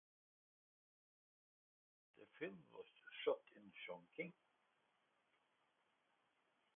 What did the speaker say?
The film was shot in Chongqing.